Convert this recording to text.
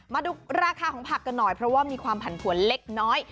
มาดูราคาของผักกันหน่อยเพราะว่ามีความผันผวนเล็กน้อย